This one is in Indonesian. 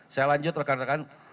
saya lanjut rekan rekan